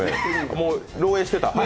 もう漏えいしてた？